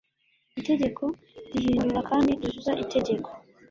Itegeko rihindura kandi ryuzuza Itegeko